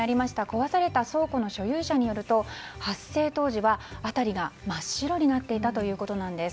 壊された倉庫の所有者によると発生当時は辺りが真っ白になっていたということです。